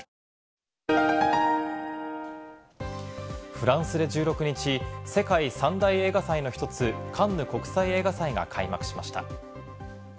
フランスで１６日、世界三大映画祭の１つ、カンヌ国際映画祭が開幕しました。